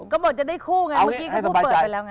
ก็หมดจะได้คู่ไงเมื่อกี้ก็พูดเปิดไปแล้วไง